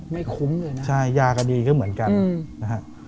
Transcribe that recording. ไม่คุ้มเลยนะใช่ยาก็ดีก็เหมือนกันนะฮะ